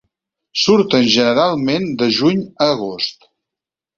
Surten generalment de juny a agost.